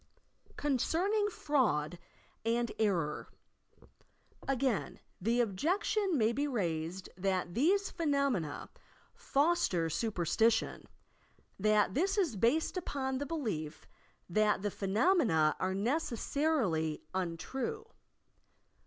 CONCEBNINQ FRAUD AND ERROR Again the objection may be raised that these phe nomena "foster superstition," but this is based upon the belief that the phenomena are necessarily untrue.